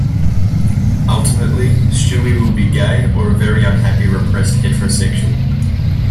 Ultimately, Stewie will be gay or a very unhappy repressed heterosexual.